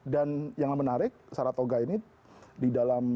dan yang menarik saratoga ini di dalam